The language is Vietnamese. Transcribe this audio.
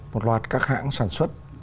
một loạt các hãng sản xuất